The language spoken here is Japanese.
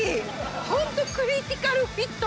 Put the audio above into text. ホントクリティカルフィット！